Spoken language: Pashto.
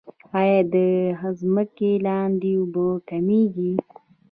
آیا د ځمکې لاندې اوبه کمیږي؟